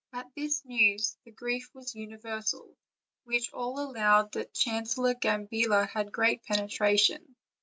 At this news the grief was universal; while all allowed that Chancellor Gambilla had great penetration.